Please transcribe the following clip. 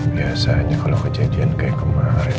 biasanya kalau kejadian kayak kemarin